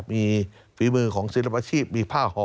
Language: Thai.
มีฝีมือของศิลปชีพมีผ้าห่อ